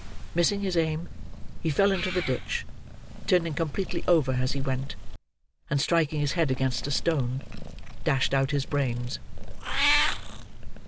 Missing his aim, he fell into the ditch, turning completely over as he went; and striking his head against a stone, dashed out his brains.